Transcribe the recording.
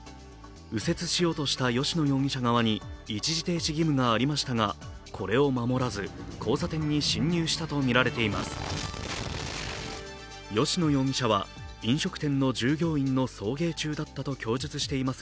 右折しようとした吉野容疑者側に一時停止義務がありましたがこれを守らず、交差点に進入したとみられています。